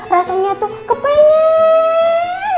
rasanya tuh kepengen